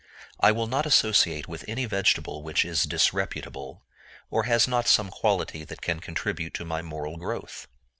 I will not associate with any vegetable which is disreputable, or has not some quality that can contribute to my moral growth.